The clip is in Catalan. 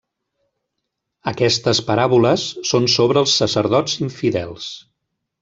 Aquestes paràboles són sobre els sacerdots infidels.